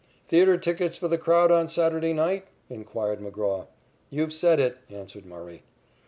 "Theatre tickets for the crowd on Saturday night?" inquired McGraw. "You've said it," answered Murray.